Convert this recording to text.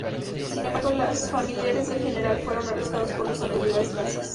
Sin embargo, los familiares del general fueron arrestados por las autoridades nazis.